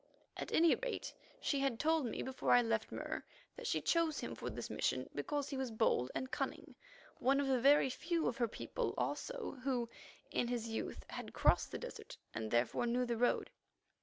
At any rate, she had told me before I left Mur that she chose him for this mission because he was bold and cunning, one of the very few of her people also who, in his youth, had crossed the desert and, therefore, knew the road.